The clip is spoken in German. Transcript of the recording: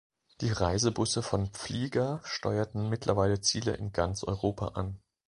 Die Reisebusse von Pflieger steuerten mittlerweile Ziele in ganz Europa an.